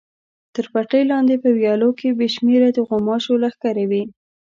تر پټلۍ لاندې په ویالو کې بې شمېره د غوماشو لښکرې وې.